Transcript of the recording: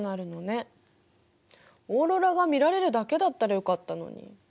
オーロラが見られるだけだったらよかったのに。